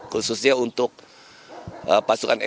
khususnya untuk pasukan elit kita membentuk kainai